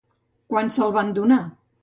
Quan se'l van donar?